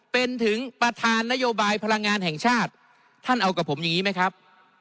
เป็นถึงประธานนโยบายพลังงานแห่งชาติท่านเอากับผมอย่างนี้ไหมครับ